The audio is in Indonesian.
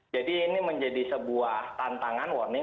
jadi ini menjadi sebuah tantangan warning